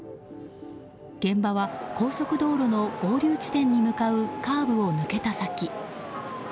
現場は高速道路の合流地点に向かうカーブを抜けた先。